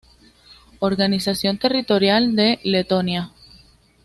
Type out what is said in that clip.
Organización territorial de Letonia